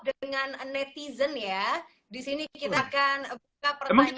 dengan netizen ya di sini kita akan buka pertanyaan